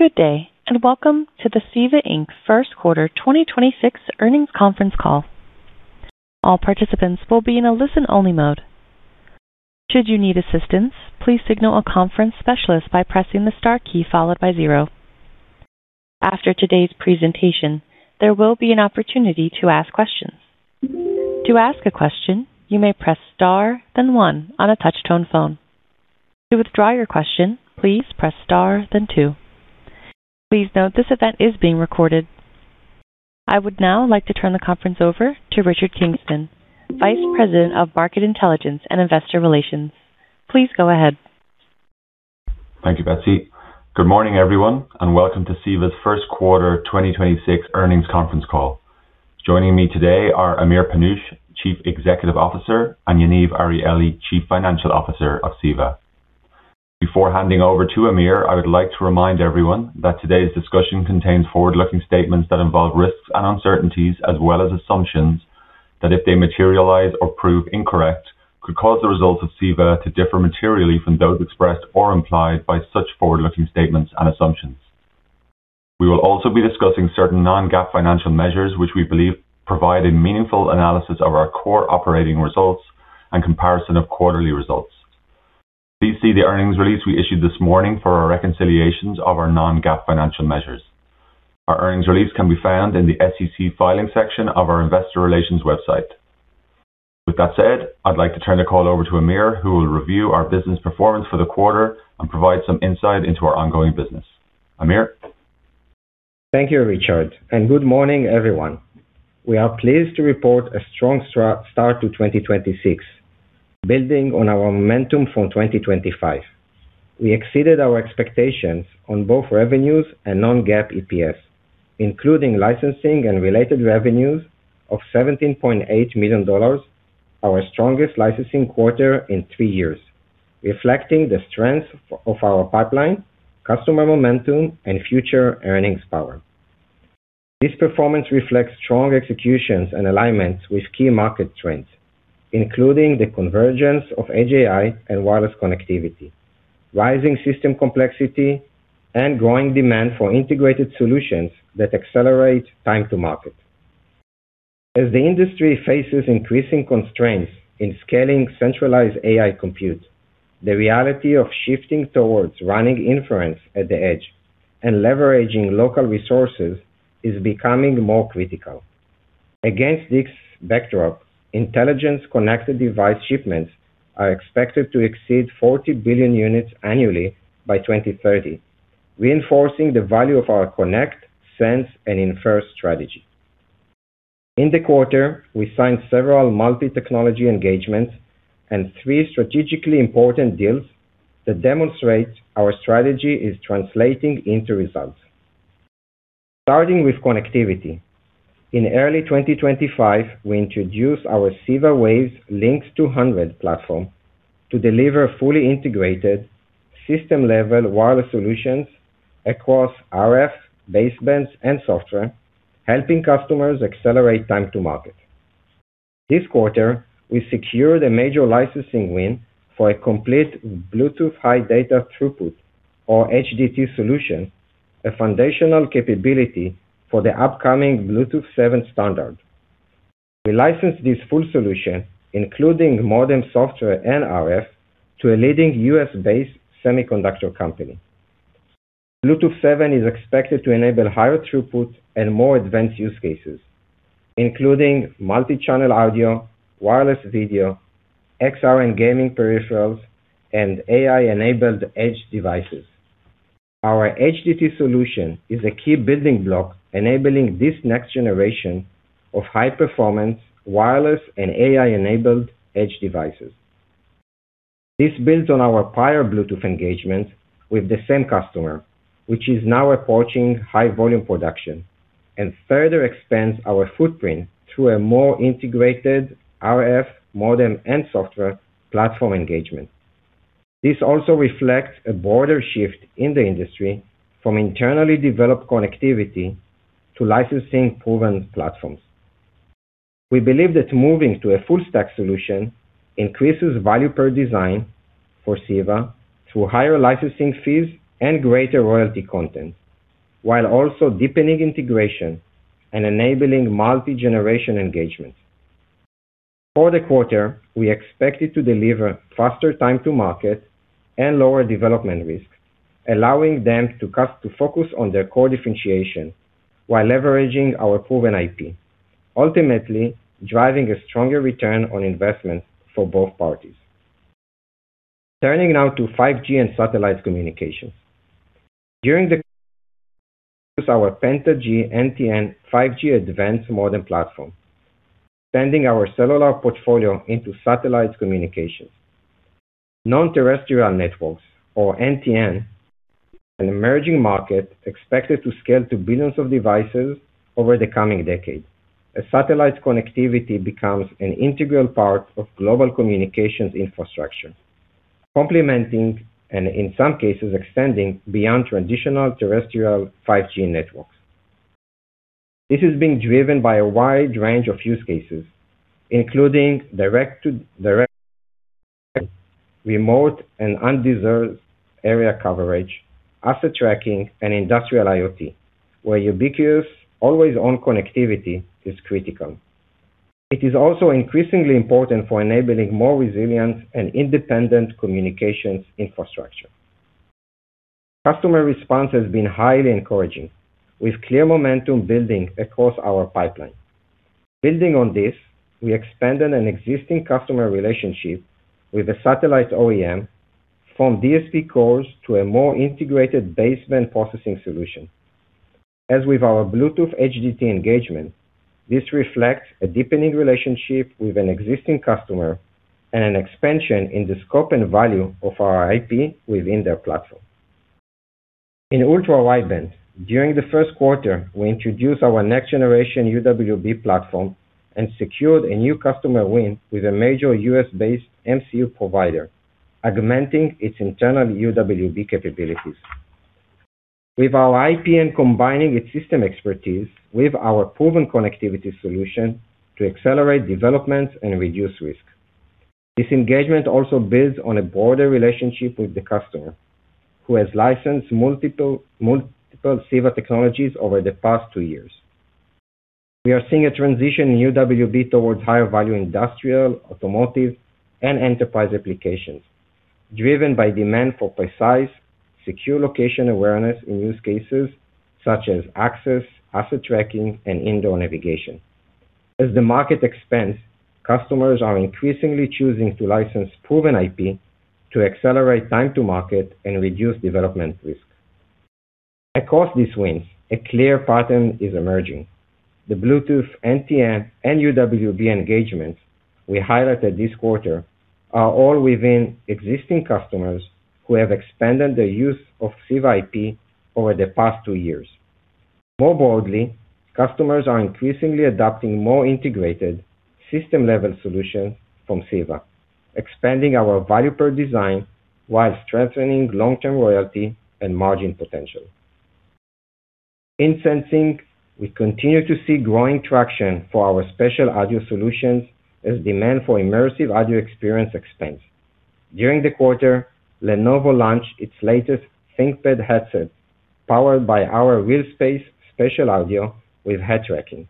Good day, and welcome to the CEVA, Inc. first quarter 2026 earnings conference call. All participants will be in a listen-only mode. Should you need assistance, please signal a conference specialist by pressing the star key followed by zero. After today's presentation, there will be an opportunity to ask question. To ask a question, you may press star then one on a touch-tone phone. To withdraw your question, please press star then two. Please note this event is being recorded. I would now like to turn the conference over to Richard Kingston, Vice President of Market Intelligence and Investor Relations. Please go ahead. Thank you, Betsy. Good morning, everyone, and welcome to CEVA's first quarter 2026 earnings conference call. Joining me today are Amir Panush, Chief Executive Officer, and Yaniv Arieli, Chief Financial Officer of CEVA. Before handing over to Amir, I would like to remind everyone that today's discussion contains forward-looking statements that involve risks and uncertainties as well as assumptions that if they materialize or prove incorrect, could cause the results of CEVA to differ materially from those expressed or implied by such forward-looking statements and assumptions. We will also be discussing certain non-GAAP financial measures, which we believe provide a meaningful analysis of our core operating results and comparison of quarterly results. Please see the earnings release we issued this morning for our reconciliations of our non-GAAP financial measures. Our earnings release can be found in the SEC filing section of our investor relations website. With that said, I'd like to turn the call over to Amir, who will review our business performance for the quarter and provide some insight into our ongoing business. Amir. Thank you, Richard, and good morning, everyone. We are pleased to report a strong start to 2026, building on our momentum from 2025. We exceeded our expectations on both revenues and non-GAAP EPS, including licensing and related revenues of $17.8 million, our strongest licensing quarter in three years, reflecting the strength of our pipeline, customer momentum, and future earnings power. This performance reflects strong executions and alignments with key market trends, including the convergence of AGI and wireless connectivity, rising system complexity, and growing demand for integrated solutions that accelerate time to market. As the industry faces increasing constraints in scaling centralized AI compute, the reality of shifting towards running inference at the edge and leveraging local resources is becoming more critical. Against this backdrop, intelligence connected device shipments are expected to exceed 40 billion units annually by 2030, reinforcing the value of our Connect, Sense, and Infer strategy. In the quarter, we signed several multi-technology engagements and three strategically important deals that demonstrate our strategy is translating into results. Starting with connectivity. In early 2025, we introduced our Ceva-Waves Links200 platform to deliver fully integrated system-level wireless solutions across RF, basebands, and software, helping customers accelerate time to market. This quarter, we secured a major licensing win for a complete Bluetooth High Data Throughput or HDT solution, a foundational capability for the upcoming Bluetooth 7 standard. We licensed this full solution, including modem software and RF, to a leading U.S.-based semiconductor company. Bluetooth 7 is expected to enable higher throughput and more advanced use cases, including multi-channel audio, wireless video, XR and gaming peripherals, and AI-enabled edge devices. Our HDT solution is a key building block enabling this next generation of high performance wireless and AI-enabled edge devices. This builds on our prior Bluetooth engagement with the same customer, which is now approaching high volume production and further expands our footprint through a more integrated RF modem and software platform engagement. This also reflects a broader shift in the industry from internally developed connectivity to licensing proven platforms. We believe that moving to a full stack solution increases value per design for CEVA through higher licensing fees and greater royalty content, while also deepening integration and enabling multi-generation engagements. For the quarter, we expected to deliver faster time to market and lower development risk, allowing them to focus on their core differentiation while leveraging our proven IP, ultimately driving a stronger return on investment for both parties. Turning now to 5G and satellite communications. During our PentaG-NTN 5G-Advanced modem platform, sending our cellular portfolio into satellite communications. Non-Terrestrial Networks, or NTN, an emerging market expected to scale to billions of devices over the coming decade as satellite connectivity becomes an integral part of global communications infrastructure, complementing and in some cases extending beyond traditional terrestrial 5G networks. This is being driven by a wide range of use cases, including direct, remote and underserved area coverage, asset tracking, and industrial IoT, where ubiquitous always-on connectivity is critical. It is also increasingly important for enabling more resilient and independent communications infrastructure. Customer response has been highly encouraging, with clear momentum building across our pipeline. Building on this, we expanded an existing customer relationship with a satellite OEM from DSP cores to a more integrated baseband processing solution. As with our Bluetooth HDT engagement, this reflects a deepening relationship with an existing customer and an expansion in the scope and value of our IP within their platform. In ultra-wideband, during the first quarter, we introduced our next-generation UWB platform and secured a new customer win with a major U.S.-based MCU provider, augmenting its internal UWB capabilities. With our IP and combining its system expertise with our proven connectivity solution to accelerate development and reduce risk. This engagement also builds on a broader relationship with the customer, who has licensed multiple CEVA technologies over the past two years. We are seeing a transition in UWB towards higher-value industrial, automotive, and enterprise applications, driven by demand for precise, secure location awareness in use cases such as access, asset tracking, and indoor navigation. As the market expands, customers are increasingly choosing to license proven IP to accelerate time to market and reduce development risk. Across these wins, a clear pattern is emerging. The Bluetooth, NTN, and UWB engagements we highlighted this quarter are all within existing customers who have expanded their use of CEVA IP over the past two years. More broadly, customers are increasingly adopting more integrated system-level solutions from CEVA, expanding our value per design while strengthening long-term royalty and margin potential. In sensing, we continue to see growing traction for our spatial audio solutions as demand for immersive audio experience expands. During the quarter, Lenovo launched its latest ThinkPad headset, powered by our RealSpace spatial audio with head tracking,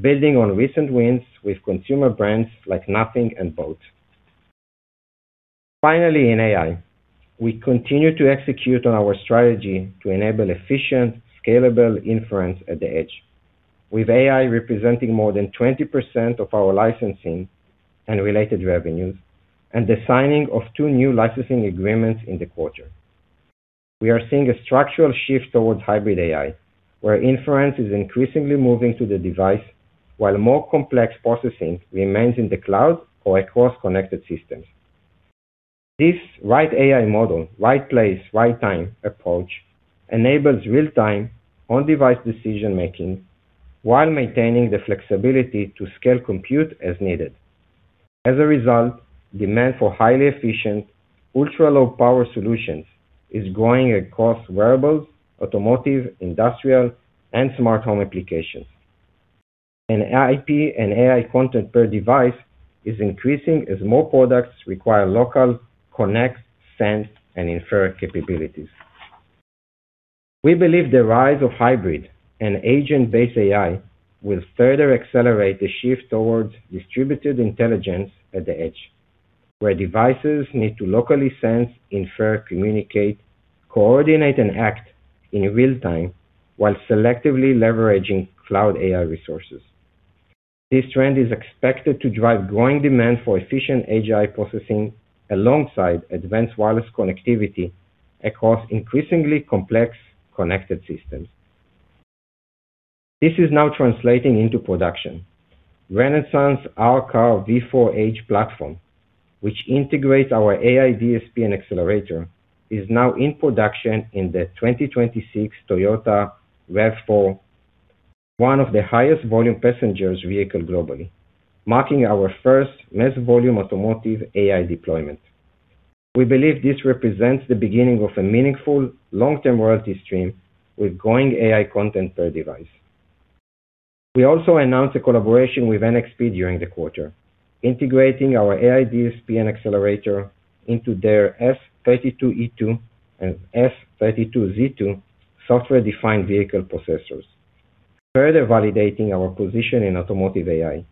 building on recent wins with consumer brands like Nothing and boAt. Finally, in AI, we continue to execute on our strategy to enable efficient, scalable inference at the edge, with AI representing more than 20% of our licensing and related revenues and the signing of two new licensing agreements in the quarter. We are seeing a structural shift towards hybrid AI, where inference is increasingly moving to the device while more complex processing remains in the cloud or across connected systems. This right AI model, right place, right time approach enables real-time on-device decision-making while maintaining the flexibility to scale compute as needed. As a result, demand for highly efficient, ultra-low power solutions is growing across wearables, automotive, industrial, and smart home applications. IP and AI content per device is increasing as more products require local Connect, Sense, and Infer capabilities. We believe the rise of hybrid and agent-based AI will further accelerate the shift towards distributed intelligence at the edge, where devices need to locally sense, infer, communicate, coordinate, and act in real-time while selectively leveraging cloud AI resources. This trend is expected to drive growing demand for efficient AI processing alongside advanced wireless connectivity across increasingly complex connected systems. This is now translating into production. Renesas R-Car V4H platform, which integrates our AI DSP and accelerator, is now in production in the 2026 Toyota RAV4, one of the highest volume passenger vehicle globally, marking our first mass volume automotive AI deployment. We believe this represents the beginning of a meaningful long-term royalty stream with growing AI content per device. We also announced a collaboration with NXP during the quarter, integrating our AI DSP and accelerator into their S32E2 and S32Z2 software-defined vehicle processors, further validating our position in automotive AI.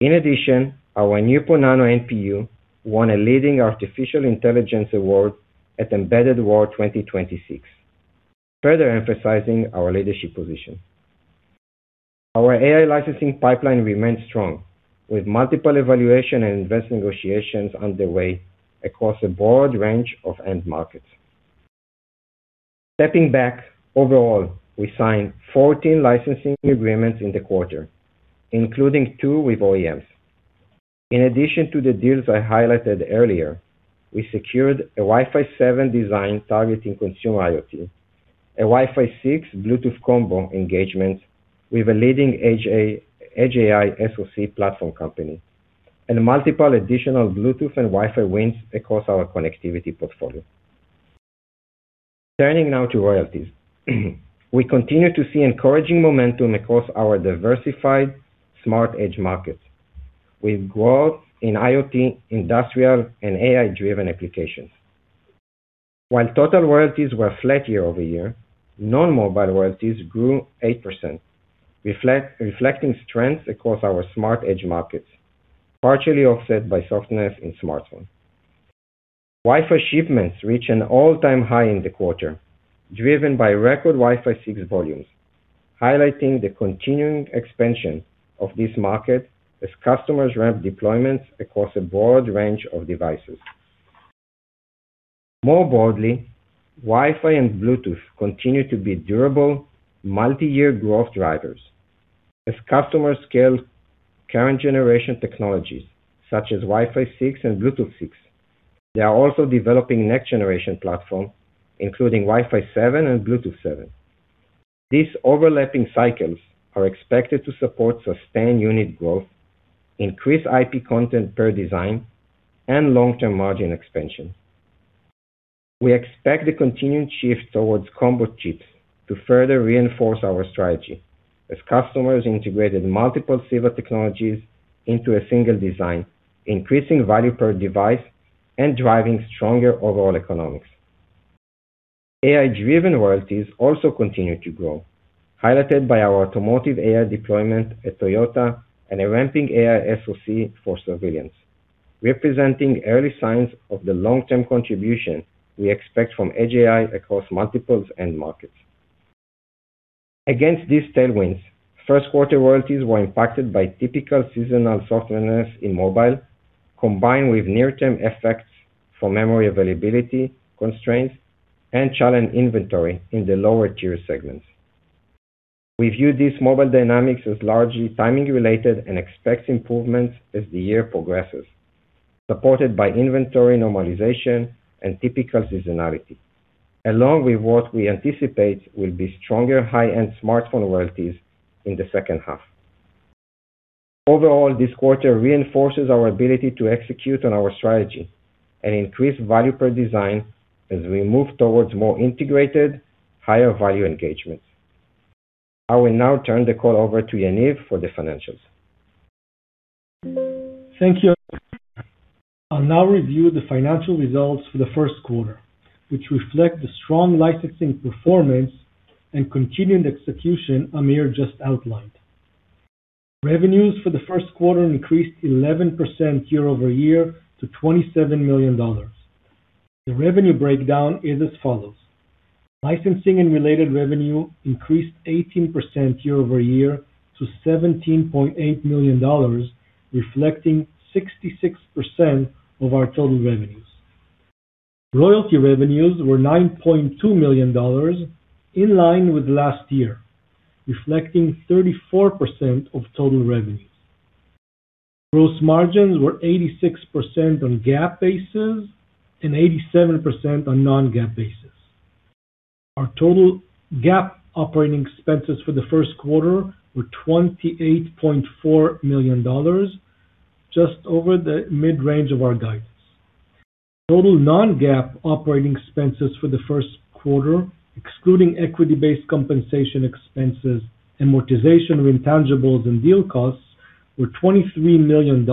In addition, our new NeuPro-Nano NPU won a leading artificial intelligence award at Embedded World 2026, further emphasizing our leadership position. Our AI licensing pipeline remains strong, with multiple evaluation and advanced negotiations underway across a broad range of end markets. Stepping back, overall, we signed 14 licensing agreements in the quarter, including two with OEMs. In addition to the deals I highlighted earlier, we secured a Wi-Fi 7 design targeting consumer IoT, a Wi-Fi 6 Bluetooth combo engagement with a leading Edge AI SoC platform company, and multiple additional Bluetooth and Wi-Fi wins across our connectivity portfolio. Turning now to royalties. We continue to see encouraging momentum across our diversified smart edge markets with growth in IoT, industrial, and AI-driven applications. While total royalties were flat year-over-year, non-mobile royalties grew 8%, reflecting strengths across our smart edge markets, partially offset by softness in smartphone. Wi-Fi shipments reached an all-time high in the quarter, driven by record Wi-Fi 6 volumes, highlighting the continuing expansion of this market as customers ramp deployments across a broad range of devices. More broadly, Wi-Fi and Bluetooth continue to be durable multi-year growth drivers as customers scale current generation technologies such as Wi-Fi 6 and Bluetooth 6. They are also developing next-generation platform, including Wi-Fi 7 and Bluetooth 7. These overlapping cycles are expected to support sustained unit growth, increase IP content per design, and long-term margin expansion. We expect the continuing shift towards combo chips to further reinforce our strategy as customers integrated multiple CEVA technologies into a single design, increasing value per device and driving stronger overall economics. AI-driven royalties also continue to grow, highlighted by our automotive AI deployment at Toyota and a ramping AI SoC for surveillance, representing early signs of the long-term contribution we expect from Edge AI across multiples end markets. Against these tailwinds, first quarter royalties were impacted by typical seasonal softness in mobile, combined with near-term effects for memory availability constraints and challenged inventory in the lower tier segments. We view these mobile dynamics as largely timing related and expects improvements as the year progresses, supported by inventory normalization and typical seasonality, along with what we anticipate will be stronger high-end smartphone royalties in the second half. Overall, this quarter reinforces our ability to execute on our strategy and increase value per design as we move towards more integrated, higher value engagements. I will now turn the call over to Yaniv for the financials. Thank you, Amir. I'll now review the financial results for the first quarter, which reflect the strong licensing performance and continuing execution Amir just outlined. Revenues for the first quarter increased 11% year-over-year to $27 million. The revenue breakdown is as follows: Licensing and related revenue increased 18% year-over-year to $17.8 million, reflecting 66% of our total revenues. Royalty revenues were $9.2 million, in line with last year, reflecting 34% of total revenues. Gross margins were 86% on GAAP basis and 87% on non-GAAP basis. Our total GAAP operating expenses for the first quarter were $28.4 million, just over the mid-range of our guidance. Total non-GAAP operating expenses for the first quarter, excluding equity-based compensation expenses, amortization of intangibles, and deal costs, were $23 million,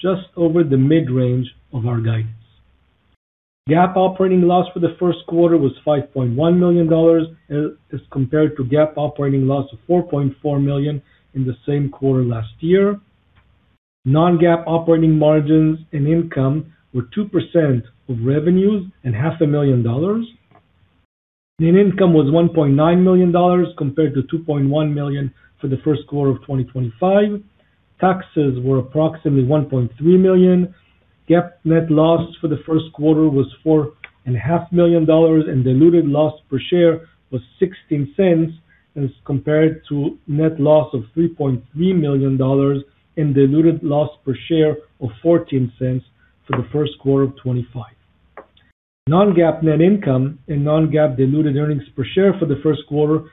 just over the mid-range of our guidance. GAAP operating loss for the first quarter was $5.1 million as compared to GAAP operating loss of $4.4 million in the same quarter last year. Non-GAAP operating margins and income were 2% of revenues and $500,000. Net income was $1.9 million, compared to $2.1 million for the first quarter of 2025. Taxes were approximately $1.3 million. GAAP net loss for the first quarter was $4.5 million, and diluted loss per share was $0.16 as compared to net loss of $3.3 million and diluted loss per share of $0.14 for the first quarter of 2025. Non-GAAP net income and non-GAAP diluted earnings per share for the first quarter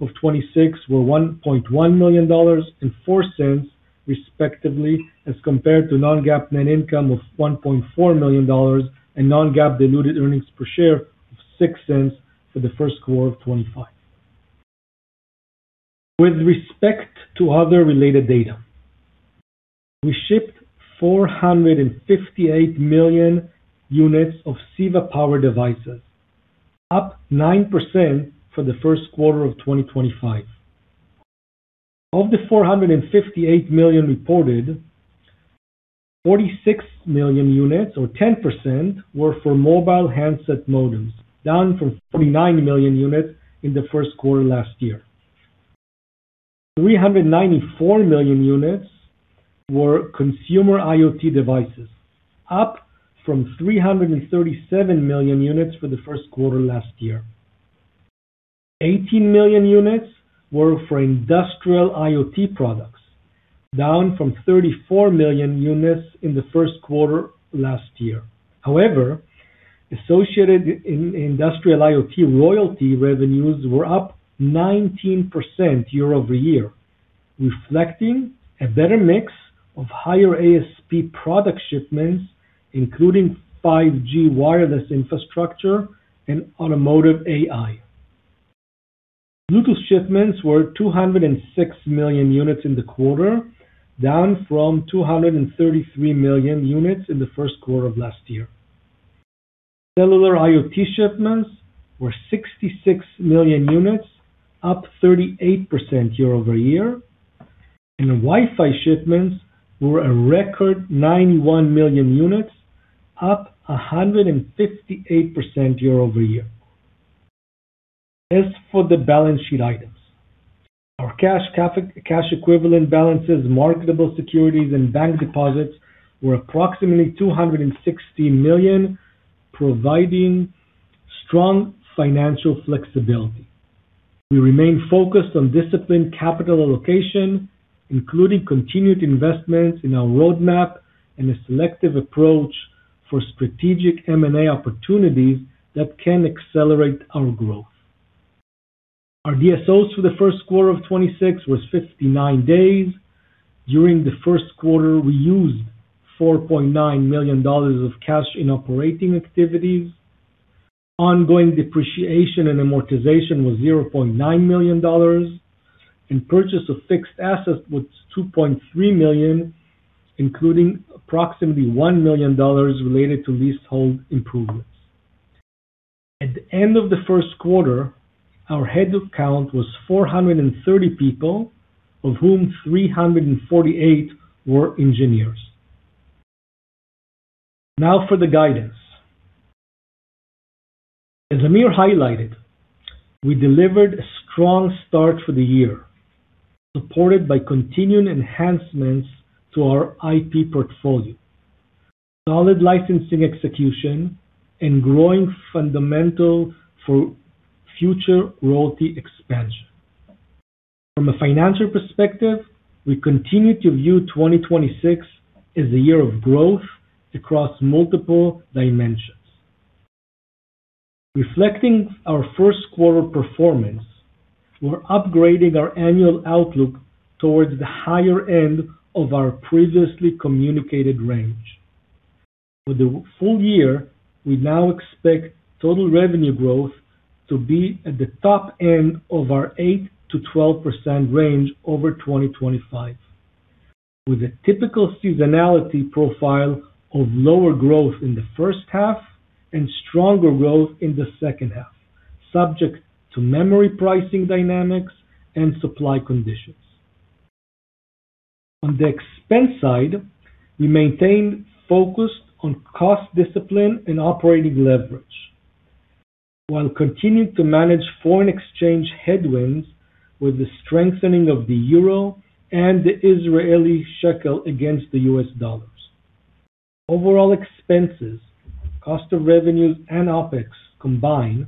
of 2026 were $1.1 million and $0.04 respectively, as compared to non-GAAP net income of $1.4 million and non-GAAP diluted earnings per share of $0.06 for the first quarter of 2025. With respect to other related data, we shipped 458 million units of CEVA powered devices, up 9% for the first quarter of 2025. Of the 458 million reported, 46 million units or 10% were for mobile handset modems, down from 49 million units in the first quarter last year. 394 million units were consumer IoT devices, up from 337 million units for the first quarter last year. 18 million units were for industrial IoT products, down from 34 million units in the first quarter last year. However, [associated in] industrial IoT royalty revenues were up 19% year-over-year. Reflecting a better mix of higher ASP product shipments, including 5G wireless infrastructure and automotive AI. Bluetooth shipments were 206 million units in the quarter, down from 233 million units in the first quarter of last year. Cellular IoT shipments were 66 million units, up 38% year-over-year. Wi-Fi shipments were a record 91 million units, up 158% year-over-year. As for the balance sheet items, our cash equivalent balances, marketable securities and bank deposits were approximately $260 million, providing strong financial flexibility. We remain focused on disciplined capital allocation, including continued investments in our roadmap and a selective approach for strategic M&A opportunities that can accelerate our growth. Our DSOs for the first quarter of 2026 was 59 days. During the first quarter, we used $4.9 million of cash in operating activities. Ongoing depreciation and amortization was $0.9 million. Purchase of fixed assets was $2.3 million, including approximately $1 million related to leasehold improvements. At the end of the first quarter, our head count was 430 people, of whom 348 were engineers. Now for the guidance. As Amir highlighted, we delivered a strong start for the year, supported by continuing enhancements to our IP portfolio, solid licensing execution and growing fundamental for future royalty expansion. From a financial perspective, we continue to view 2026 as a year of growth across multiple dimensions. Reflecting our first quarter performance, we're upgrading our annual outlook towards the higher end of our previously communicated range. For the full year, we now expect total revenue growth to be at the top end of our 8%-12% range over 2025, with a typical seasonality profile of lower growth in the first half and stronger growth in the second half, subject to memory pricing dynamics and supply conditions. On the expense side, we maintain focus on cost discipline and operating leverage, while continuing to manage foreign exchange headwinds with the strengthening of the euro and the Israeli shekel against the U.S. dollars. Overall expenses, cost of revenues and OpEx combined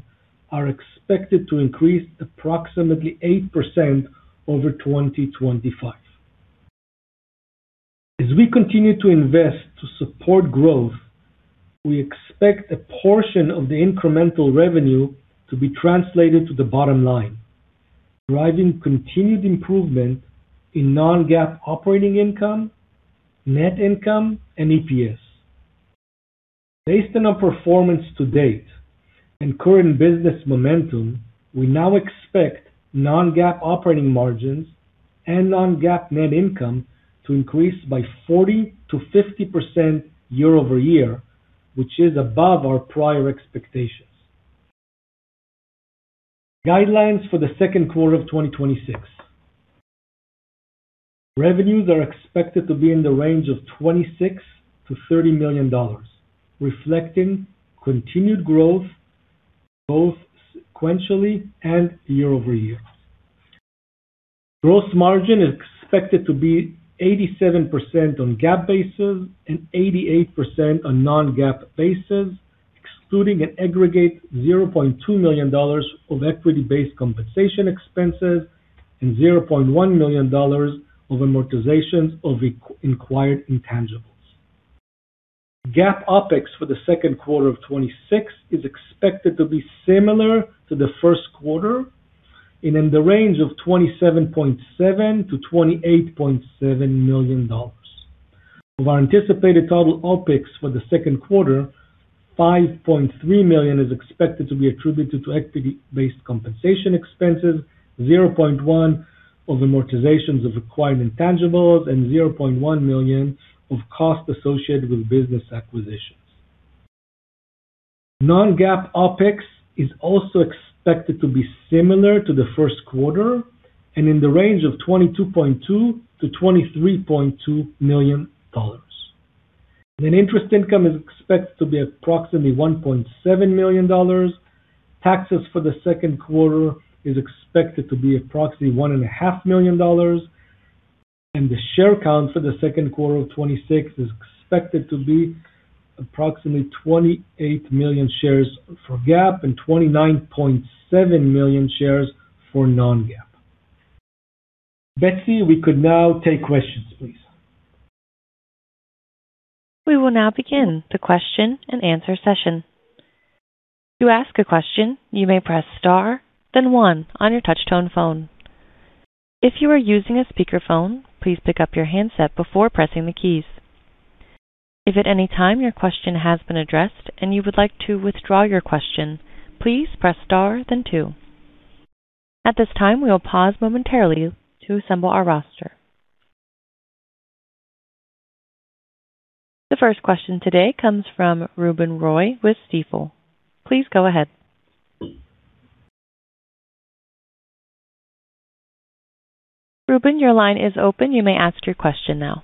are expected to increase approximately 8% over 2025. As we continue to invest to support growth, we expect a portion of the incremental revenue to be translated to the bottom line, driving continued improvement in non-GAAP operating income, net income and EPS. Based on our performance to date and current business momentum, we now expect non-GAAP operating margins and non-GAAP net income to increase by 40%-50% year-over-year, which is above our prior expectations. Guidelines for the second quarter of 2026. Revenues are expected to be in the range of $26 million-$30 million, reflecting continued growth both sequentially and year-over-year. Gross margin is expected to be 87% on GAAP basis and 88% on non-GAAP basis, excluding an aggregate $0.2 million of equity-based compensation expenses and $0.1 million of amortization of acquired intangibles. GAAP OpEx for the second quarter of 2026 is expected to be similar to the first quarter and in the range of $27.7 million-$28.7 million. Of our anticipated total OpEx for the second quarter, $5.3 million is expected to be attributed to equity-based compensation expenses, $0.1 of amortizations of acquired intangibles, and $0.1 million of costs associated with business acquisitions. Non-GAAP OpEx is also expected to be similar to the first quarter and in the range of $22.2 million-$23.2 million. Interest income is expected to be approximately $1.7 million. Taxes for the second quarter is expected to be approximately $1.5 million. The share count for the second quarter of 2026 is expected to be approximately 28 million shares for GAAP and 29.7 million shares for non-GAAP. Betsy, we could now take questions, please. We will now begin the question-and-answer session. To ask a question, you may press star then one on the touch-tone phone. If you're using a speaker phone, please pick up your handset before pressing the keys. If anytime your question has been addressed and you would like to withdraw your question, please press star then two. At this time, we'll pause mometarily to assemble our roster. The first question today comes from Ruben Roy with Stifel. Please go ahead. Ruben, your line is open. You may ask your question now.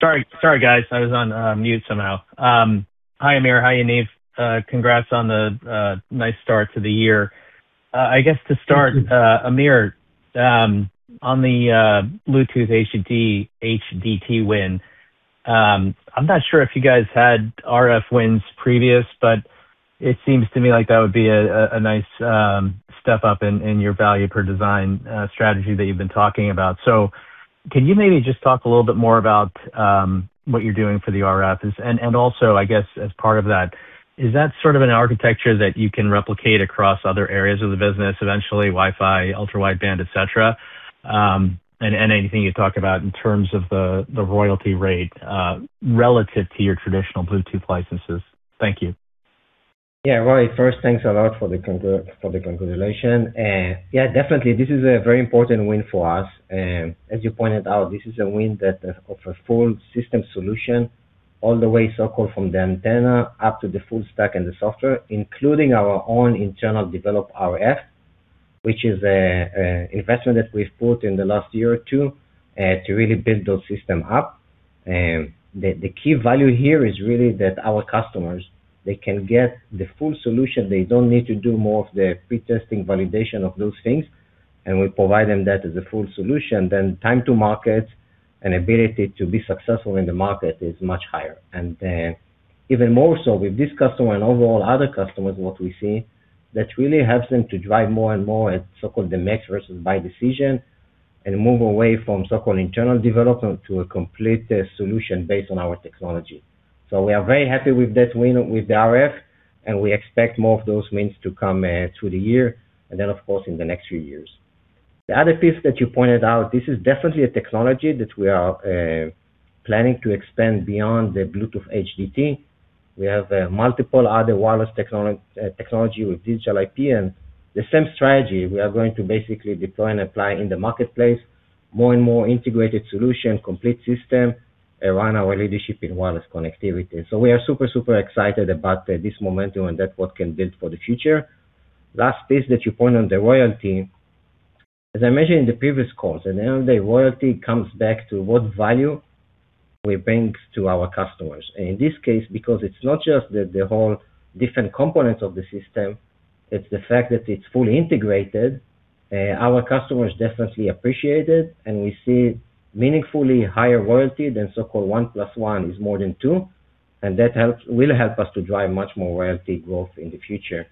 Sorry, guys. I was on mute somehow. Hi Amir. Hi Yaniv. Congrats on the nice start to the year. I guess to start, Amir, on the Bluetooth HDT win, I'm not sure if you guys had RF wins previous, but it seems to me like that would be a nice step up in your value per design strategy that you've been talking about. Can you maybe just talk a little bit more about what you're doing for the RF? Also, I guess as part of that, is that sort of an architecture that you can replicate across other areas of the business eventually, Wi-Fi, ultra-wideband, et cetera? Anything you talk about in terms of the royalty rate relative to your traditional Bluetooth licenses. Thank you. Roy, first, thanks a lot for the congratulation. Definitely this is a very important win for us. As you pointed out, this is a win that offers full system solution all the way, so-called, from the antenna up to the full stack and the software, including our own internal developed RF, which is an investment that we've put in the last year or two to really build those systems up. The key value here is really that our customers, they can get the full solution. They don't need to do more of the pre-testing validation of those things, and we provide them that as a full solution. Time to market and ability to be successful in the market is much higher. Even more so with this customer and overall other customers, what we see, that really helps them to drive more and more at so-called the make versus buy decision and move away from so-called internal development to a complete solution based on our technology. We are very happy with that win with the RF, and we expect more of those wins to come through the year and then of course in the next few years. The other piece that you pointed out, this is definitely a technology that we are planning to expand beyond the Bluetooth HDT. We have multiple other wireless technology with digital IP and the same strategy we are going to basically deploy and apply in the marketplace. More and more integrated solution, complete system around our leadership in wireless connectivity. We are super excited about this momentum and that what can build for the future. Last piece that you point on the royalty, as I mentioned in the previous calls, at the end of the day, royalty comes back to what value we bring to our customers. In this case, because it's not just the whole different components of the system, it's the fact that it's fully integrated. Our customers definitely appreciate it, and we see meaningfully higher royalty than so-called one plus one is more than two. That will help us to drive much more royalty growth in the future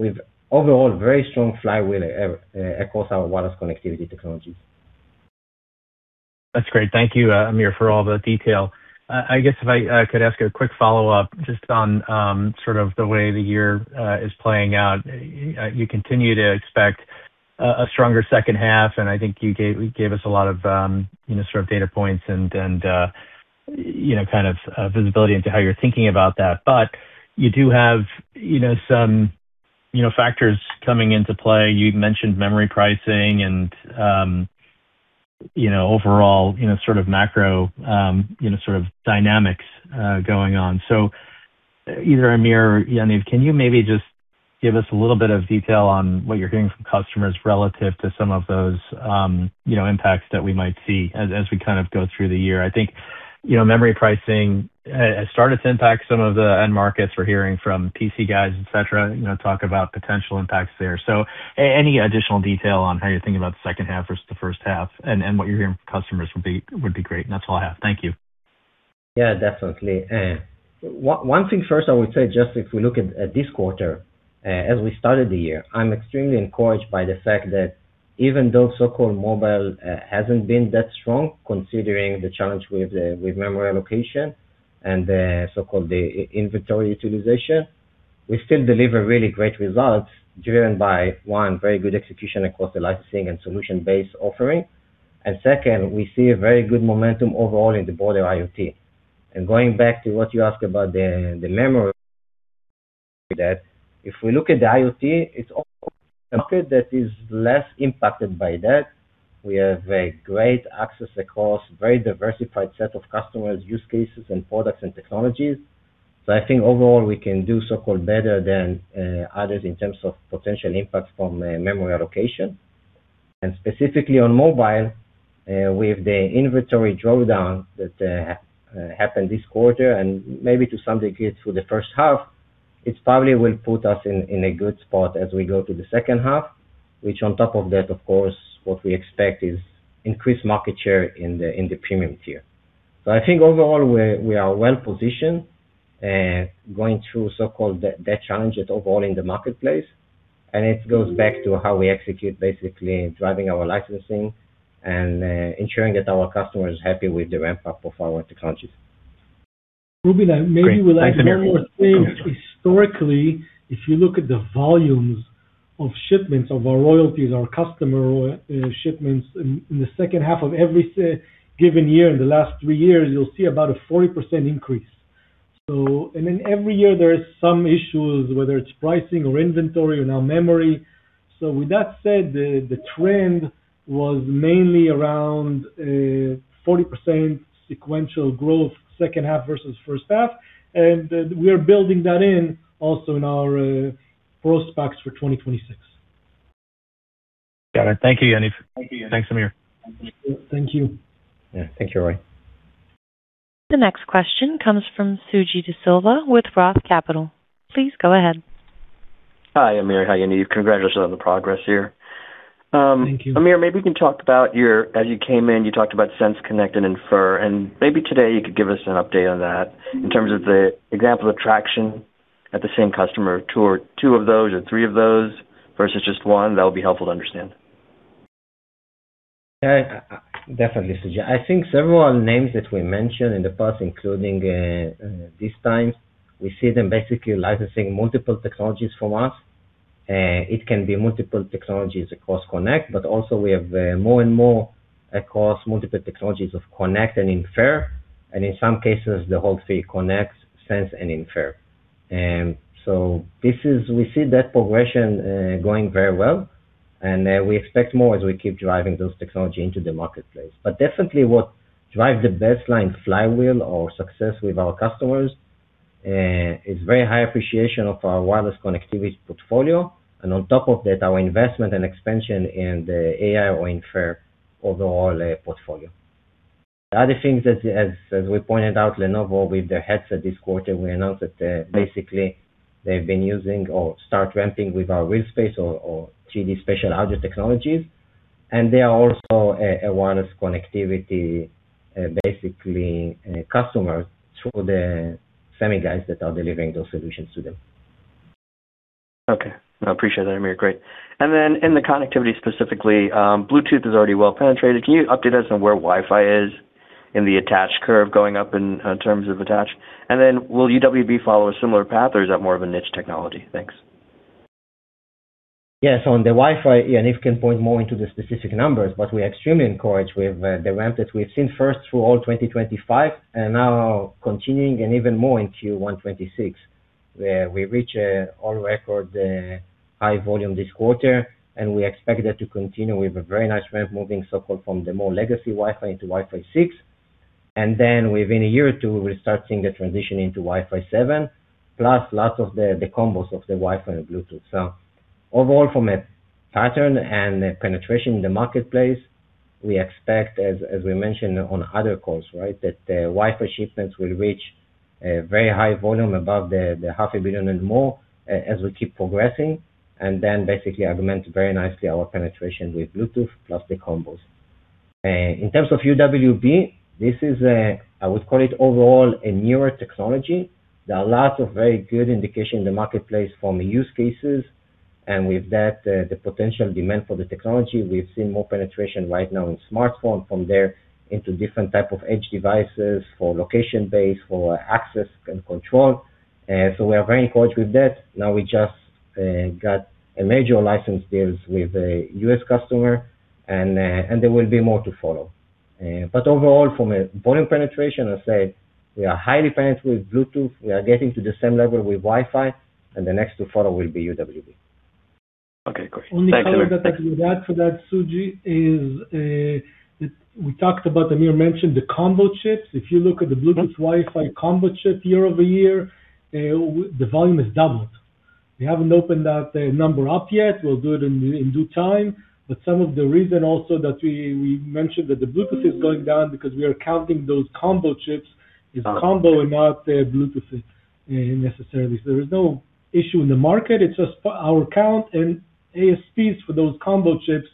with overall very strong flywheel across our wireless connectivity technology. That's great. Thank you, Amir, for all the detail. I guess if I could ask a quick follow-up just on sort of the way the year is playing out. You continue to expect a stronger second half, and I think you gave us a lot of, you know, sort of data points and, you know, kind of visibility into how you're thinking about that. You do have, you know, some, you know, factors coming into play. You mentioned memory pricing and, you know, overall, you know, sort of macro, you know, sort of dynamics going on. Either Amir or Yaniv, can you maybe just give us a little bit of detail on what you're hearing from customers relative to some of those, you know, impacts that we might see as we kind of go through the year? I think, you know, memory pricing has started to impact some of the end markets. We're hearing from PC guys, et cetera, you know, talk about potential impacts there. Any additional detail on how you're thinking about the second half versus the first half and what you're hearing from customers would be great. That's all I have. Thank you. Yeah, definitely. One thing first, I would say just if we look at this quarter, as we started the year, I'm extremely encouraged by the fact that even though so-called mobile hasn't been that strong, considering the challenge with memory allocation and the so-called inventory utilization, we still deliver really great results driven by, one, very good execution across the licensing and solution-based offering. Second, we see a very good momentum overall in the broader IoT. Going back to what you asked about the memory that if we look at the IoT, it's that is less impacted by that. We have a great access across very diversified set of customers, use cases and products and technologies. I think overall we can do so-called better than others in terms of potential impact from memory allocation. Specifically on mobile, with the inventory drawdown that happened this quarter and maybe to some degree through the first half, it probably will put us in a good spot as we go to the second half, which on top of that, of course, what we expect is increased market share in the premium tier. I think overall we are well-positioned going through so-called the challenges overall in the marketplace. It goes back to how we execute basically driving our licensing and ensuring that our customer is happy with the ramp-up of our technologies. Ruby, maybe we'll add one more thing. Historically, if you look at the volumes of shipments of our royalties, our customer shipments in the second half of every given year in the last three years, you'll see about a 40% increase. Every year there is some issues, whether it's pricing or inventory or now memory. With that said, the trend was mainly around 40% sequential growth second half versus first half. We are building that in also in our growth specs for 2026. Got it. Thank you, Yaniv. Thanks, Amir. Thank you. Yeah. Thank you, Roy. The next question comes from Suji Desilva with Roth Capital. Please go ahead. Hi, Amir. Hi, Yaniv. Congratulations on the progress here. Thank you. Amir, maybe we can talk about As you came in, you talked about Sense, Connect and Infer, and maybe today you could give us an update on that in terms of the example of traction at the same customer, two of those or three of those versus just one. That would be helpful to understand. Definitely, Suji. I think several names that we mentioned in the past, including this time, we see them basically licensing multiple technologies from us. It can be multiple technologies across Connect, but also we have more and more across multiple technologies of Connect and Infer, and in some cases, the whole three, Connect, Sense and Infer. So this is, we see that progression going very well, and we expect more as we keep driving those technology into the marketplace. Definitely what drive the best line flywheel or success with our customers is very high appreciation of our wireless connectivity portfolio and on top of that, our investment and expansion in the AI or Infer overall portfolio. The other things that as we pointed out, Lenovo with the headset this quarter, we announced that, basically they've been using or start ramping with our RealSpace or 3D spatial audio technologies, and they are also a wireless connectivity, basically customer through the semi guys that are delivering those solutions to them. Okay. No, appreciate that, Amir. Great. In the connectivity specifically, Bluetooth is already well penetrated. Can you update us on where Wi-Fi is in the attached curve going up in terms of attached? Will UWB follow a similar path or is that more of a [niche] technology? Thanks. Yes. On the Wi-Fi, Yaniv can point more into the specific numbers, but we're extremely encouraged with the ramp that we've seen first through all 2025 and now continuing and even more in Q1 2026, where we reach all record high volume this quarter, and we expect that to continue with a very nice ramp moving so-called from the more legacy Wi-Fi into Wi-Fi 6. Then within a year or two, we'll start seeing the transition into Wi-Fi 7, plus lots of the combos of the Wi-Fi and Bluetooth. Overall, from a pattern and penetration in the marketplace, we expect as we mentioned on other calls, right, that the Wi-Fi shipments will reach a very high volume above the 500,000,000 and more as we keep progressing, and then basically augment very nicely our penetration with Bluetooth plus the combos. In terms of UWB, this is, I would call it overall a newer technology. There are lots of very good indication in the marketplace from use cases and with that, the potential demand for the technology. We've seen more penetration right now in smartphone from there into different type of edge devices for location-based, for access and control. We are very encouraged with that. Now we just got a major license deals with a U.S. customer and there will be more to follow. Overall from a volume penetration, I say we are highly penetrate with Bluetooth. We are getting to the same level with Wi-Fi and the next to follow will be UWB. Okay, great. Thanks, Amir. Only color that I would add to that, Suji, is we talked about, Amir mentioned the combo chips. If you look at the Bluetooth Wi-Fi combo chip year-over-year, the volume has doubled. We haven't opened that number up yet. We'll do it in due time. Some of the reason also that we mentioned that the Bluetooth is going down because we are counting those combo chips is combo and not Bluetooth necessarily. There is no issue in the market. It's just our count and ASPs for those combo chips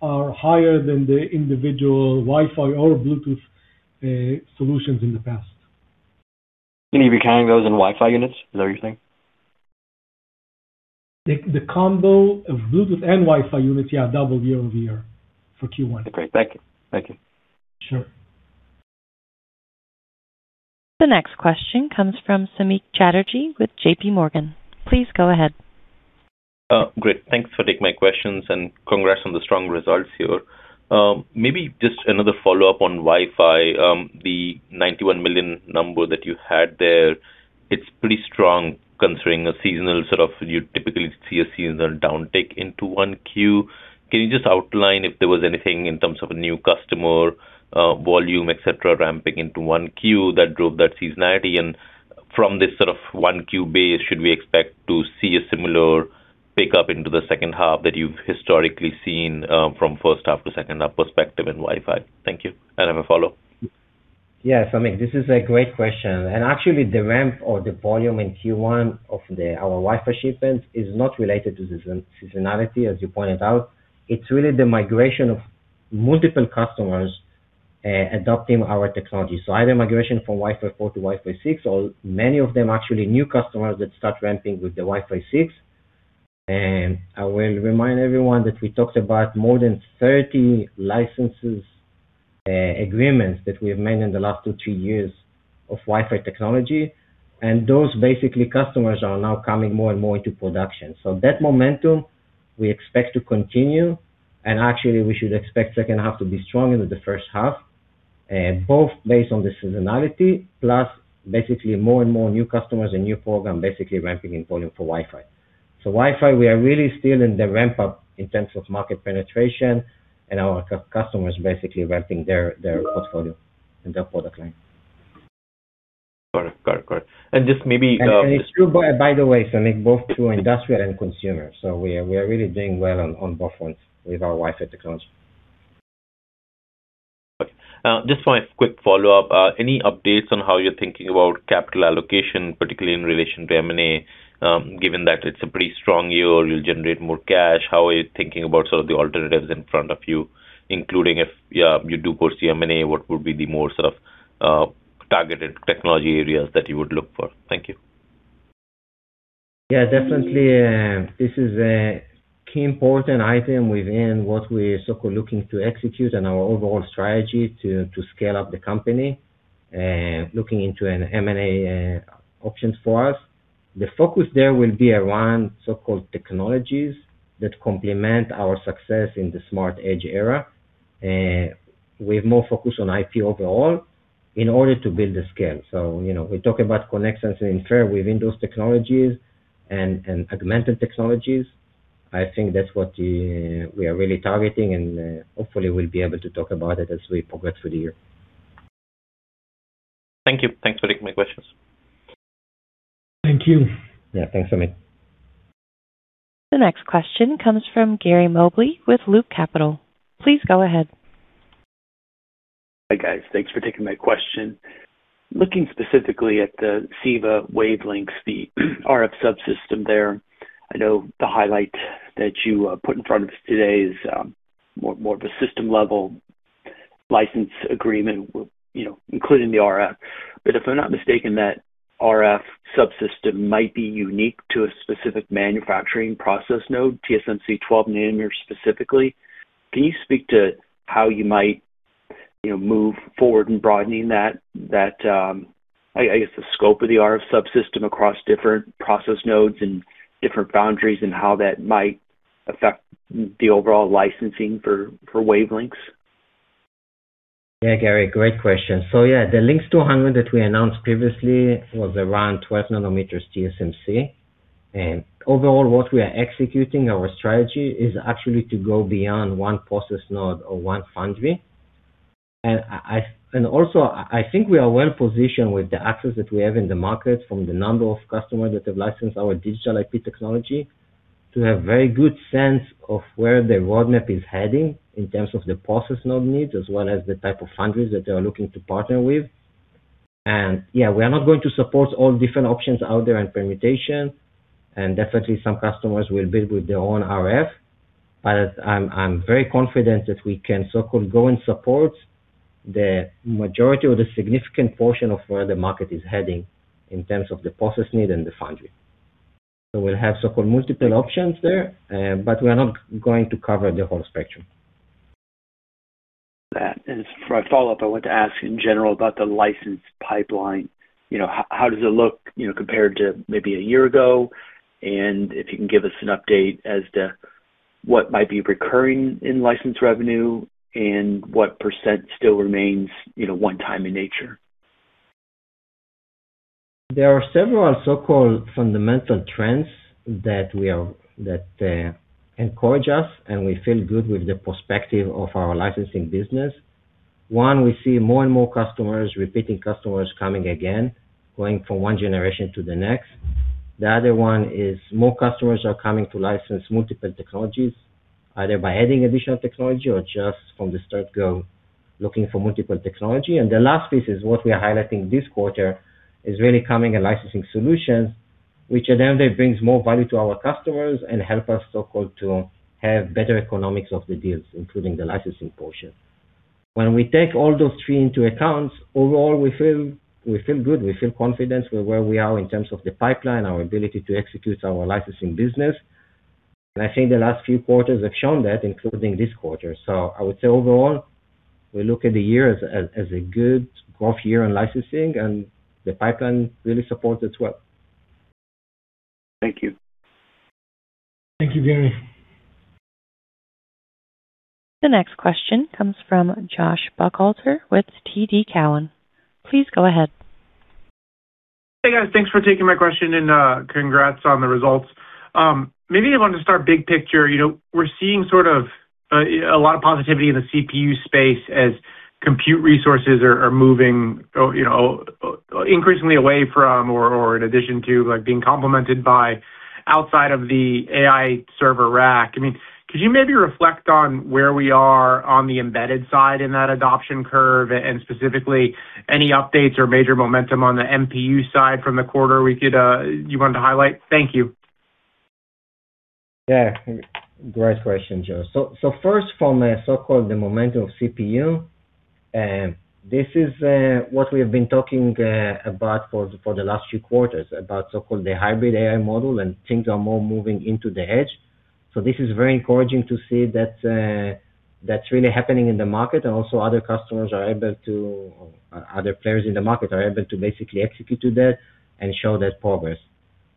are higher than the individual Wi-Fi or Bluetooth solutions in the past. Yaniv, you're counting those in Wi-Fi units? Is that what you're saying? The combo of Bluetooth and Wi-Fi units, yeah, double year-over-year for Q1. Okay, great. Thank you. Thank you. Sure. The next question comes from Samik Chatterjee with JPMorgan. Please go ahead. Great. Thanks for taking my questions and congrats on the strong results here. Maybe just another follow-up on Wi-Fi. The 91 million number that you had there, it's pretty strong considering a seasonal downtick into 1Q. Can you just outline if there was anything in terms of a new customer, volume, et cetera, ramping into 1Q that drove that seasonality? From this sort of 1Q base, should we expect to see a similar pickup into the second half that you've historically seen, from first half to second half perspective in Wi-Fi? Thank you. I have a follow. Yeah. Samik, this is a great question. Actually the ramp or the volume in Q1 of our Wi-Fi shipment is not related to seasonality, as you pointed out. It's really the migration of multiple customers adopting our technology. Either migration from Wi-Fi 4 to Wi-Fi 6, or many of them actually new customers that start ramping with the Wi-Fi 6. I will remind everyone that we talked about more than 30 licenses, agreements that we have made in the last two, three years of Wi-Fi technology. Those basically customers are now coming more and more into production. That momentum we expect to continue, and actually we should expect second half to be stronger than the first half, both based on the seasonality plus basically more and more new customers and new program basically ramping in volume for Wi-Fi. Wi-Fi, we are really still in the ramp up in terms of market penetration and our customers basically ramping their portfolio and their product line. Got it. Got it. Got it. just maybe- It's true by the way, Samik, both to industrial and consumer. We are really doing well on both fronts with our Wi-Fi technology. Okay. Just my quick follow-up. Any updates on how you're thinking about capital allocation, particularly in relation to M&A, given that it's a pretty strong year, you'll generate more cash, how are you thinking about sort of the alternatives in front of you, including if, yeah, you do pursue M&A, what would be the more sort of targeted technology areas that you would look for? Thank you. Yeah, definitely. This is a key important item within what we're so-called looking to execute and our overall strategy to scale up the company, looking into an M&A options for us. The focus there will be around so-called technologies that complement our success in the smart edge era. We have more focus on IP overall in order to build the scale. You know, we talk about connections and infer within those technologies and augmented technologies. I think that's what we are really targeting, hopefully we'll be able to talk about it as we progress through the year. Thank you. Thanks for taking my questions. Thank you. Yeah. Thanks, Samik. The next question comes from Gary Mobley with Loop Capital. Please go ahead. Hi, guys. Thanks for taking my question. Looking specifically at the Ceva-Waves Links, the RF subsystem there, I know the highlight that you put in front of us today is more of a system level license agreement, you know, including the RF. If I'm not mistaken, that RF subsystem might be unique to a specific manufacturing process node, TSMC 12 nm specifically. Can you speak to how you might, you know, move forward in broadening that, I guess the scope of the RF subsystem across different process nodes and different [foundries] and how that might affect the overall licensing for Waves Links? Yeah, Gary, great question. Yeah, the Links200 that we announced previously was around 12 nm TSMC. Overall, what we are executing our strategy is actually to go beyond one process node or one foundry. Also, I think we are well-positioned with the access that we have in the market from the number of customers that have licensed our digital IP technology to have very good sense of where the roadmap is heading in terms of the process node needs as well as the type of foundries that they are looking to partner with. Yeah, we are not going to support all different options out there and permutation, and definitely some customers will build with their own RF. I'm very confident that we can so-called go and support the majority or the significant portion of where the market is heading in terms of the process need and the foundry. We'll have so-called multiple options there, but we are not going to cover the whole spectrum. For my follow-up, I want to ask in general about the license pipeline. You know, how does it look, you know, compared to maybe a year ago? If you can give us an update as to what might be recurring in license revenue and what percent still remains, you know, one time in nature. There are several so-called fundamental trends that encourage us, and we feel good with the perspective of our licensing business. One, we see more and more customers, repeating customers coming again, going from one generation to the next. The other one is more customers are coming to license multiple technologies, either by adding additional technology or just from the start go looking for multiple technology. The last piece is what we are highlighting this quarter is really coming a licensing solution, which at the end of day brings more value to our customers and help us so-called to have better economics of the deals, including the licensing portion. When we take all those three into account, overall, we feel good, we feel confident with where we are in terms of the pipeline, our ability to execute our licensing business. I think the last few quarters have shown that, including this quarter. I would say overall, we look at the year as a good growth year in licensing, and the pipeline really supports it well. Thank you. Thank you, Gary. The next question comes from Josh Buchalter with TD Cowen. Please go ahead. Hey, guys. Thanks for taking my question and congrats on the results. Maybe I wanted to start big picture. You know, we're seeing sort of a lot of positivity in the CPU space as compute resources are moving, you know, increasingly away from or in addition to like being complemented by outside of the AI server rack. I mean, could you maybe reflect on where we are on the embedded side in that adoption curve and specifically any updates or major momentum on the MPU side from the quarter we could you wanted to highlight? Thank you. Yeah. Great question, Josh. First from a so-called the momentum of CPU, this is what we have been talking about for the last few quarters, about so-called the hybrid AI model, and things are more moving into the edge. This is very encouraging to see that that's really happening in the market, and also other players in the market are able to basically execute to that and show that progress.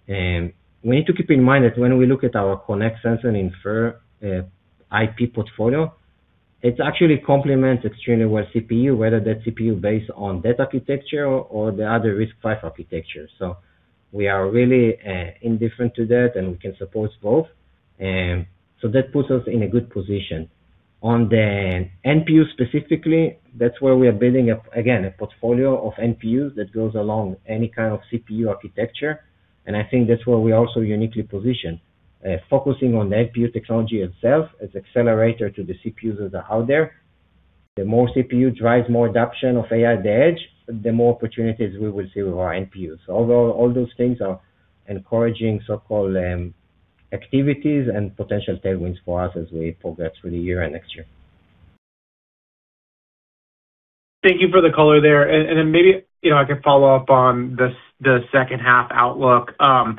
We need to keep in mind that when we look at our Connect, Sense, and Infer, IP portfolio, it actually complements extremely well CPU, whether that's CPU based on that architecture or the other RISC-V architecture. We are really indifferent to that, and we can support both. That puts us in a good position. On the NPU specifically, that's where we are building up, again, a portfolio of NPUs that goes along any kind of CPU architecture. I think that's where we also uniquely position, focusing on the NPU technology itself as accelerator to the CPUs that are out there. The more CPU drives more adoption of AI at the edge, the more opportunities we will see with our NPUs. Although all those things are encouraging so-called activities and potential tailwinds for us as we progress through the year and next year. Thank you for the color there. Then maybe, you know, I could follow up on the second half outlook. You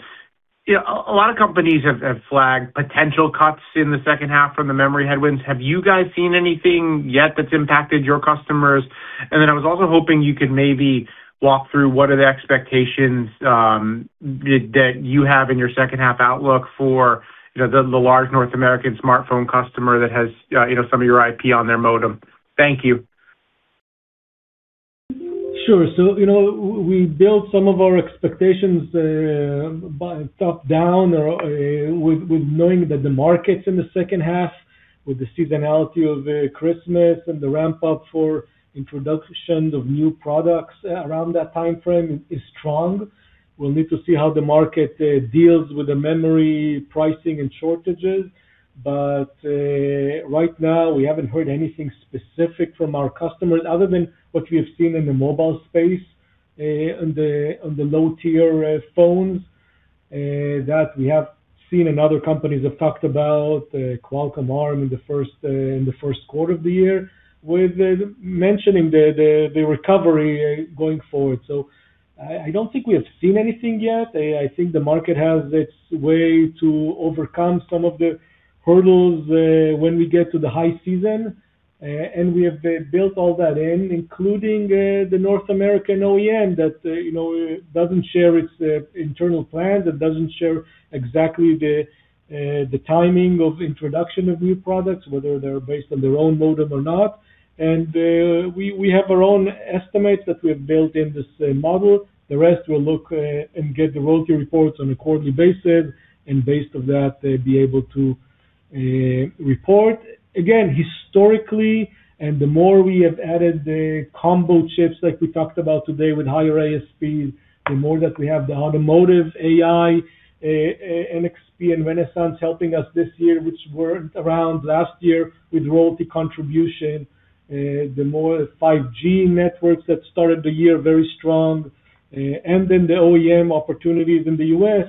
know, a lot of companies have flagged potential cuts in the second half from the memory headwinds. Have you guys seen anything yet that's impacted your customers? Then I was also hoping you could maybe walk through what are the expectations that you have in your second half outlook for, you know, the large North American smartphone customer that has, you know, some of your IP on their modem. Thank you. Sure. You know, we built some of our expectations by top-down or, with knowing that the markets in the second half with the seasonality of Christmas and the ramp up for introduction of new products around that timeframe is strong. We'll need to see how the market deals with the memory pricing and shortages. Right now, we haven't heard anything specific from our customers other than what we have seen in the mobile space, on the low-tier phones, that we have seen and other companies have talked about Qualcomm Arm in the first quarter of the year with mentioning the recovery going forward. I don't think we have seen anything yet. I think the market has its way to overcome some of the hurdles when we get to the high season. We have built all that in, including the North American OEM that, you know, doesn't share its internal plans and doesn't share exactly the timing of introduction of new products, whether they're based on their own modem or not. We have our own estimates that we have built in this model. The rest will look and get the royalty reports on a quarterly basis, and based on that, they'll be able to report. Historically, the more we have added the combo chips like we talked about today with higher ASPs, the more that we have the automotive AI, NXP and Renesas helping us this year, which weren't around last year with royalty contribution, the more 5G networks that started the year very strong, then the OEM opportunities in the U.S.,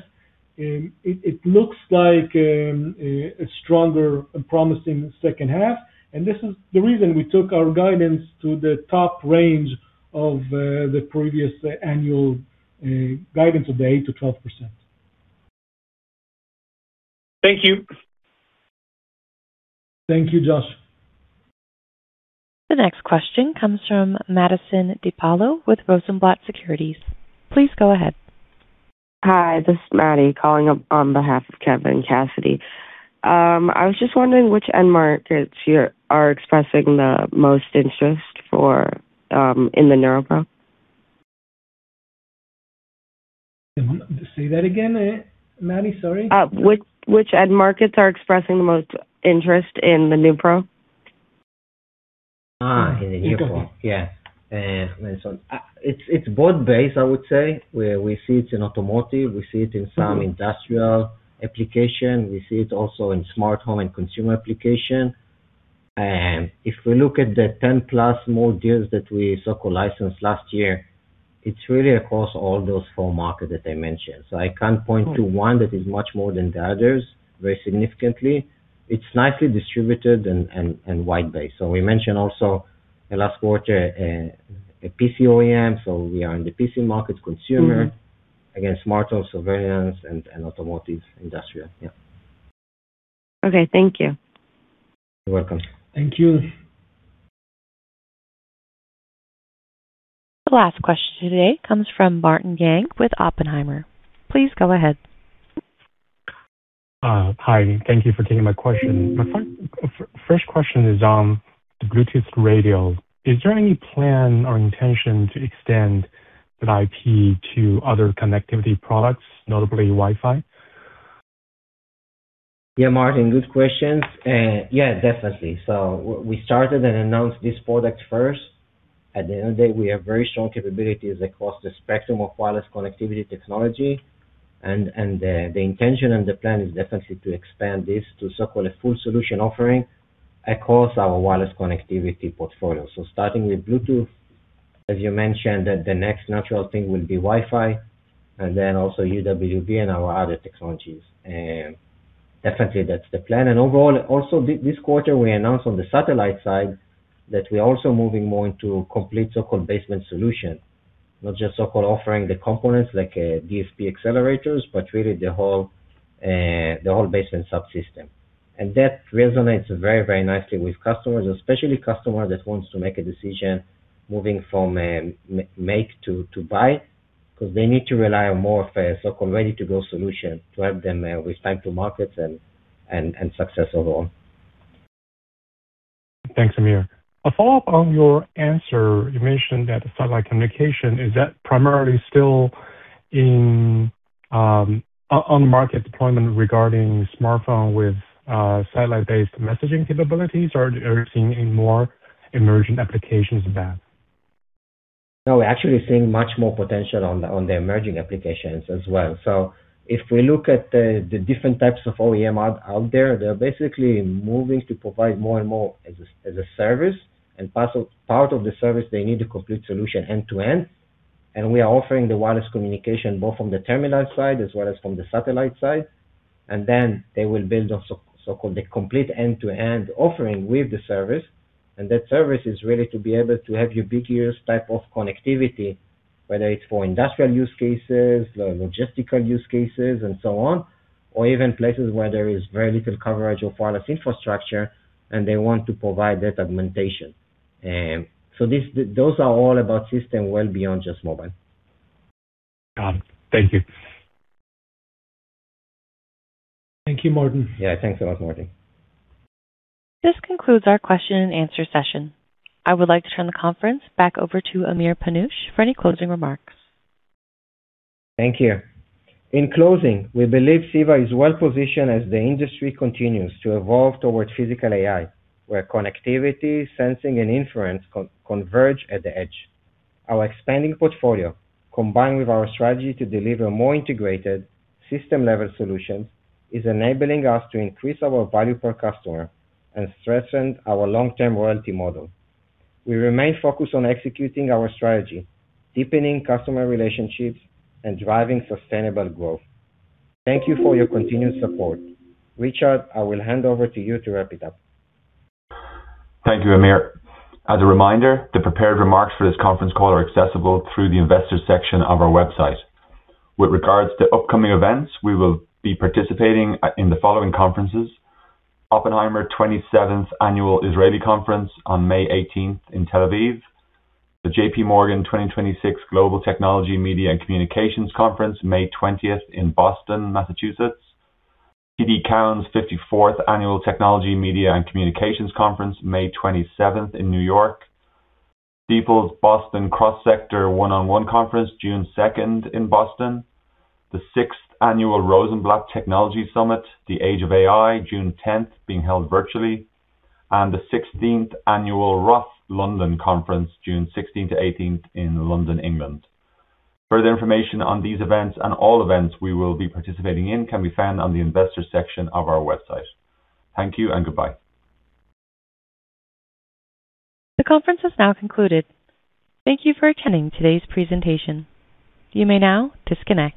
it looks like a stronger and promising second half. This is the reason we took our guidance to the top range of the previous annual guidance of the 8%-12%. Thank you. Thank you, Josh. The next question comes from Madison DePaola with Rosenblatt Securities. Please go ahead. Hi, this is Maddie calling up on behalf of Kevin Cassidy. I was just wondering which end markets are expressing the most interest for in the NeuPro? Say that again, Maddie. Sorry. Which end markets are expressing the most interest in the NeuPro? In the NeuPro. Yeah. Madison, it's broad-based, I would say, where we see it in automotive, we see it in some industrial application, we see it also in smart home and consumer application. If we look at the 10+ more deals that we so-called licensed last year, it's really across all those four markets that I mentioned. I can't point to one that is much more than the others very significantly. It's nicely distributed and wide-based. We mentioned also last quarter, a PC OEM, so we are in the PC market consumer. Again, smart homes, surveillance, and automotive, industrial. Yeah. Okay. Thank you. You're welcome. Thank you. The last question today comes from Martin Yang with Oppenheimer. Please go ahead. Hi. Thank you for taking my question. My first question is on the Bluetooth radio. Is there any plan or intention to extend that IP to other connectivity products, notably Wi-Fi? Yeah, Martin, good questions. Definitely. We started and announced this product first. At the end of the day, we have very strong capabilities across the spectrum of wireless connectivity technology. The intention and the plan is definitely to expand this to so-called a full solution offering across our wireless connectivity portfolio. Starting with Bluetooth, as you mentioned, the next natural thing will be Wi-Fi and then also UWB and our other technologies. Definitely that's the plan. Overall, also this quarter we announced on the satellite side that we're also moving more into complete so-called baseband solution, not just so-called offering the components like DSP accelerators, but really the whole, the whole baseband subsystem. That resonates very nicely with customers, especially customer that wants to make a decision moving from make to buy, 'cause they need to rely on more so-called ready-to-go solution to help them with time to market and success overall. Thanks, Amir. A follow-up on your answer. You mentioned that satellite communication, is that primarily still in on market deployment regarding smartphone with satellite-based messaging capabilities, or are you seeing any more emerging applications of that? We're actually seeing much more potential on the emerging applications as well. If we look at the different types of OEM out there, they're basically moving to provide more and more as a service. Part of the service, they need a complete solution end-to-end. We are offering the wireless communication both from the terminal side as well as from the satellite side. They will build a so-called a complete end-to-end offering with the service. That service is really to be able to have ubiquitous type of connectivity, whether it's for industrial use cases or logistical use cases and so on, or even places where there is very little coverage of wireless infrastructure and they want to provide that augmentation. Those are all about system well beyond just mobile. Got it. Thank you. Thank you, Martin. Yeah, thanks a lot, Martin. This concludes our question and answer session. I would like to turn the conference back over to Amir Panush for any closing remarks. Thank you. In closing, we believe CEVA is well-positioned as the industry continues to evolve towards physical AI, where connectivity, sensing, and inference converge at the edge. Our expanding portfolio, combined with our strategy to deliver more integrated system-level solutions, is enabling us to increase our value per customer and strengthen our long-term royalty model. We remain focused on executing our strategy, deepening customer relationships, and driving sustainable growth. Thank you for your continued support. Richard, I will hand over to you to wrap it up. Thank you, Amir. As a reminder, the prepared remarks for this conference call are accessible through the investor section of our website. With regards to upcoming events, we will be participating in the following conferences: Oppenheimer 27th Annual Israeli Conference on May 18th in Tel Aviv, the JPMorgan 2026 Global Technology, Media and Communications Conference May 20th in Boston, Massachusetts, TD Cowen's 54th Annual Technology Media and Communications Conference May 27th in New York, Stifel Cross Sector Insight Conference June 2nd in Boston, the 6th Annual Rosenblatt Technology Summit, The Age of AI, June 10th, being held virtually, and the 16th Annual Roth London Conference June 16th-18th in London, England. Further information on these events and all events we will be participating in can be found on the investor section of our website. Thank you and goodbye. The conference is now concluded. Thank you for attending today's presentation. You may now disconnect.